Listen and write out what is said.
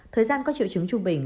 thời gian có triệu chứng trung bình